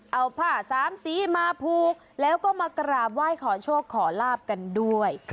เอาผ้าสามสีมาผูกแล้วก็มากราบไหว้ขอโชคขอลาบกันด้วย